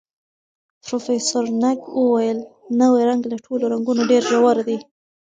پروفیسر نګ وویل، نوی رنګ له ټولو رنګونو ډېر ژور دی.